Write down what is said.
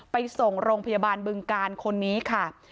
ไปส่งโรงพยาบาลบึงการคนนี้ค่ะ